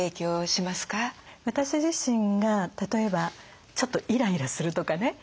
私自身が例えばちょっとイライラするとかね